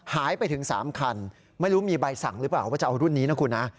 หายไปถึง๓คันไม่รู้มีใบสั่งหรือเปล่าว่าจะเอารุ่นนี้นะคุณนะ